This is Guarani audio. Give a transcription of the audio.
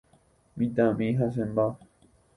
Mitãmimi hasẽmba